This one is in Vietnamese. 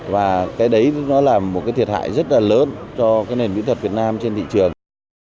và cái đấy nó là một cái thiệt hại rất là lớn cho cái nền mỹ thuật việt nam trên thị trường